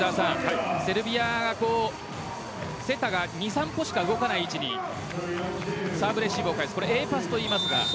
セルビアがセッターが２、３歩しか動かない位置にサーブレシーブを返すＡパスといいますが。